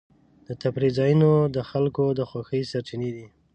د تفریح ځایونه د خلکو د خوښۍ سرچینې دي.